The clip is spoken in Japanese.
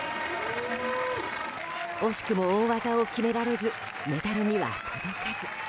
惜しくも大技を決められずメダルには届かず。